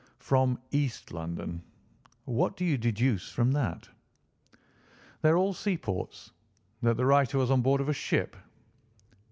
"From East London. What do you deduce from that?" "They are all seaports. That the writer was on board of a ship."